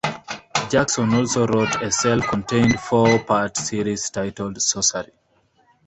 Jackson also wrote a self-contained four-part series titled Sorcery!